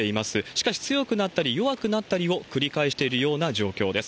しかし強くなったり、弱くなったりを繰り返しているような状況です。